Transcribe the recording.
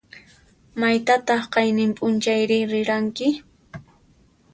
Maytataq qayninp'unchayri riranki?